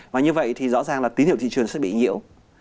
và như vậy thì rõ ràng là tín hiệu thị trường sẽ bị nhiễu